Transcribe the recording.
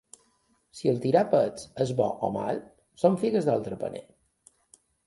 Si el tirar pets és bo o mal, són figues d'altre paner.